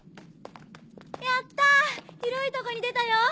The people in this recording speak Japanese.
やった広いとこに出たよ！